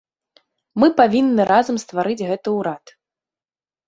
Мы павінны разам стварыць гэты ўрад.